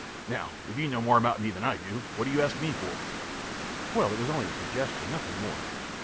A. Now, if you know more about me than I do, what do you ask me for? Q. Well, it was only a suggestion; nothing more.